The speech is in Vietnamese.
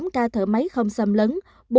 hai mươi tám ca thở máy không xâm lấn